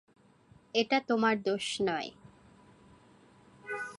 এটা তোমার দোষ নয়।